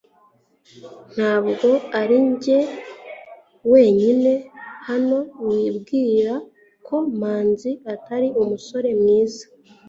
ntabwo arinjye wenyine hano wibwira ko manzi atari umusore mwiza